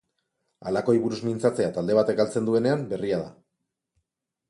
Halakoei buruz mintzatzea talde batek galtzen duenean berria da.